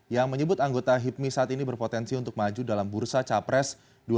yang menyebut anggota hipmi saat ini berpotensi untuk maju dalam bursa capres dua ribu sembilan belas